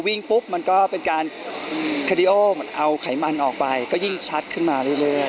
ปุ๊บมันก็เป็นการคาดีโอเอาไขมันออกไปก็ยิ่งชัดขึ้นมาเรื่อย